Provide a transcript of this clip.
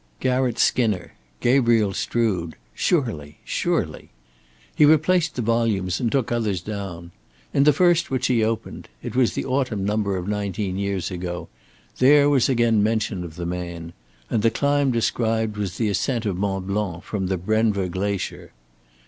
Garratt Skinner: Gabriel Strood. Surely, surely! He replaced the volumes and took others down. In the first which he opened it was the autumn number of nineteen years ago there was again mention of the man; and the climb described was the ascent of Mont Blanc from the Brenva Glacier.